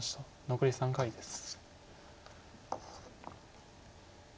残り３回です。